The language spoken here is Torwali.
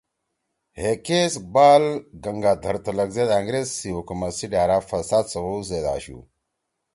ہے کیس بال گنگا دھرتلک زید أنگریز سی حکومت سی ڈھأرا فساد سوَؤ زید آشُو